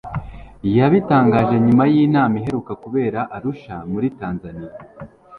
yabitangaje nyuma y'inama iheruka kubera arusha muri tanzania